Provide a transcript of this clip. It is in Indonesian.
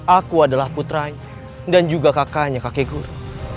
aku adalah putranya dan juga kakaknya kakek guru